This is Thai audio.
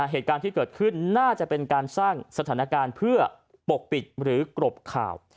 เหตุการณ์ที่เกิดขึ้นน่าจะเป็นการสร้างสถานการณ์เพื่อปกปิดหรือกรบข่าว